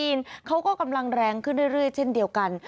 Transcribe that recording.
เขาก็กำลังแรงขึ้นเรื่อยเช่นเดียวกัน